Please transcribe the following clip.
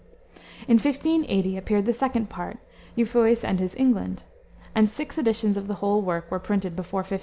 In 1580 appeared the second part, Euphues and his England, and six editions of the whole work were printed before 1598.